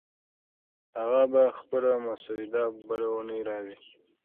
هغه به خپله مسوده بله اونۍ راوړي.